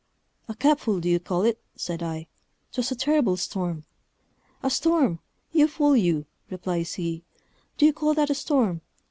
"A capful d'you call it?" said I; "'twas a terrible storm." "A storm, you fool you," replies he; "do you call that a storm?